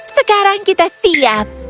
sekarang kita siap